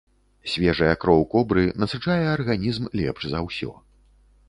Свежая кроў кобры насычае арганізм лепш за ўсё.